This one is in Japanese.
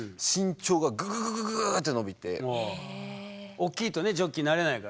おっきいとねジョッキーになれないから。